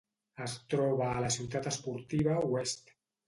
Es troba a la Ciutat Esportiva Oest.